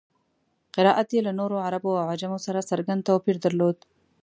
قرائت یې له نورو عربو او عجمو سره څرګند توپیر درلود.